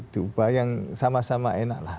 diubah yang sama sama enak lah